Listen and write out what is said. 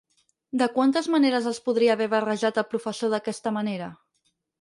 De quantes maneres els podria haver barrejat el professor d'aquesta manera?